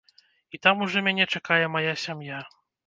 І там ужо мяне чакае мая сям'я.